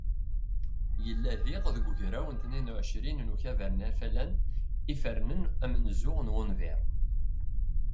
Yella, diɣ, deg ugraw n tnin u εecrin n ukabar n Afalan i ifernen amenzu n wunbir.